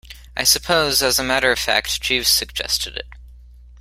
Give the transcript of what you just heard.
I suppose, as a matter of fact, Jeeves suggested it.